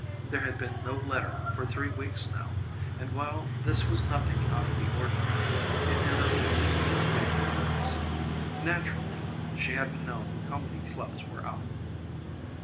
There had been no letter for three weeks now, and, while this was nothing out of the ordinary, it never failed to make her nervous; naturally she hadn't known how many clubs were out.